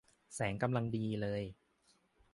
แสงกำลังดีเลย